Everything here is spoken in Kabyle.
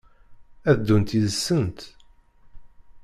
Ad ddunt yid-sent?